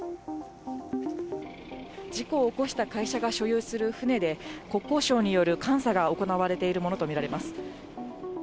事故を起こした会社が所有する船で国交省による監査が行われているものとみられます。